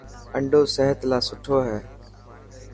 آنڊو سحت لاءِ سٺو هي.